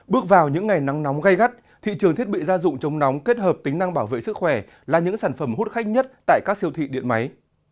bước vào những ngày nắng nóng gây gắt thị trường thiết bị gia dụng chống nóng kết hợp tính năng bảo vệ sức khỏe là những sản phẩm hút khách nhất tại các siêu thị điện máy